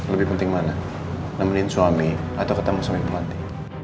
lebih penting mana temenin suami atau ketemu suami pemanti